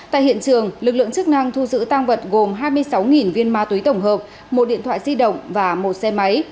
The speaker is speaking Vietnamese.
tại hiện trường lực lượng chức năng thu giữ tăng vật gồm hai mươi sáu viên ma túy tổng hợp một điện thoại di động và một xe máy